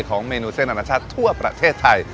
เมนูเส้นอนาชาติทั่วประเทศไทย